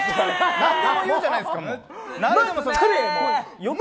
何でも言うじゃないですか。